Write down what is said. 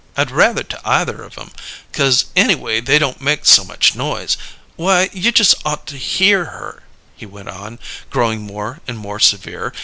I'd rather, to either of 'em, 'cause anyway they don't make so much noise. Why, you just ought to hear her," he went on, growing more and more severe.